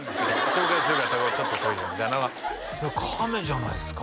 「紹介するからたかおちょっと来いよ」みたいなのは「カメじゃないですか」